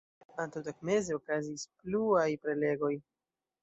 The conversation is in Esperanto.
Antaŭtagmeze okazis pluaj prelegoj.